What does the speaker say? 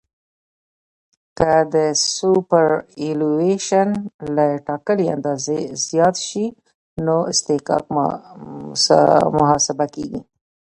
که سوپرایلیویشن له ټاکلې اندازې زیات شي نو اصطکاک محاسبه کیږي